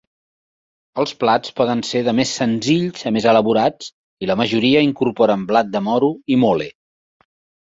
Els plats poden ser de més senzills a més elaborats i la majoria incorporen blat de moro i mole.